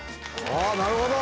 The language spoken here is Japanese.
なるほど！